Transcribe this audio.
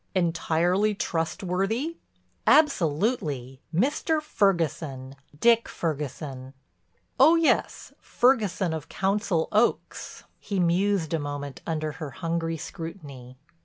"Entirely trustworthy?" "Absolutely. Mr. Ferguson—Dick Ferguson." "Oh, yes, Ferguson of Council Oaks." He mused a moment under her hungry scrutiny.